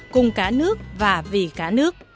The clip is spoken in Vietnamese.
cùng cả nước và vì cả nước